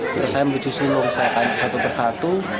terus saya menuju silung saya kan ke satu persatu